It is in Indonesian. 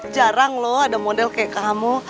jarang loh ada model kayak kamu